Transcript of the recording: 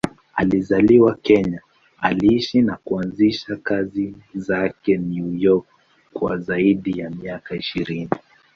Alizaliwa Kenya, aliishi na kuanzisha kazi zake New York kwa zaidi ya miaka ishirini.